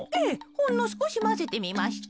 ほんのすこしまぜてみました。